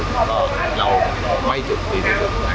เพราะว่าเมืองนี้จะเป็นที่สุดท้าย